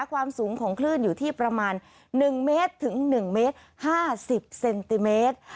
ความสูงของคลื่นอยู่ที่ประมาณหนึ่งเมตรถึงหนึ่งเมตรห้าสิบเซนติเมตร